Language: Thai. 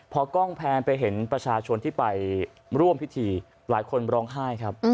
พอกล้องแพนไปเห็นประชาชนที่ไปร่วมพิธีหลายคนร้องไห้ครับ